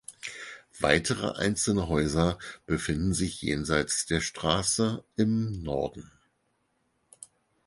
Weitere einzelne Häuser befinden sich jenseits der Straße im Norden.